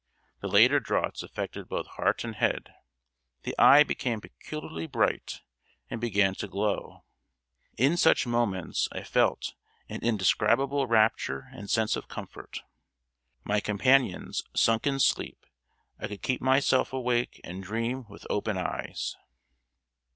The later draughts affected both heart and head; the eye became peculiarly bright and began to glow. In such moments I felt an indescribable rapture and sense of comfort. My companions sunk in sleep; I could keep myself awake and dream with open eyes!"